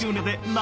何？